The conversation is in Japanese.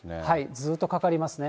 ずっとかかりますね。